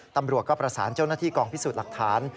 ตำรวจก็ประสานเจ้าหน้าที่กองพิสูจน์หลักฐาน